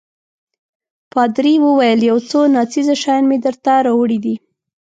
پادري وویل: یو څو ناڅېزه شیان مې درته راوړي دي.